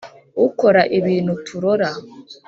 Ukora ibintu turora.